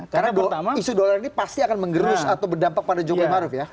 karena isu dolar ini pasti akan mengerus atau berdampak pada jokowi maruf ya